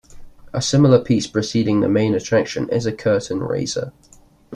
A similar piece preceding the main attraction is a curtain raiser.